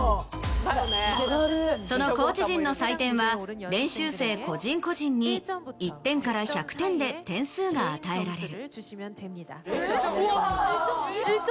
そのコーチ陣の採点は練習生個人個人に１点から１００点で点数が与えられる。